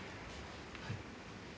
はい。